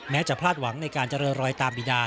แม้จะพลาดหวังในการจะเร่อรอยตามบิดา